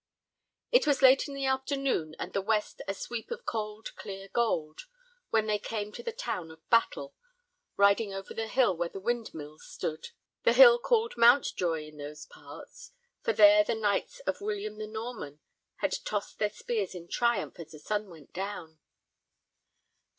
It was late in the afternoon, and the west a sweep of cold clear gold, when they came to the town of Battle, riding over the hill where the windmills stood, the hill called Mountjoy in those parts, for there the knights of William the Norman had tossed their spears in triumph as the sun went down.